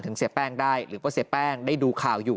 เสียแป้งได้หรือว่าเสียแป้งได้ดูข่าวอยู่